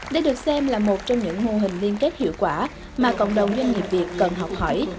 đây được xem là một trong những mô hình liên kết hiệu quả mà cộng đồng doanh nghiệp việt cần học hỏi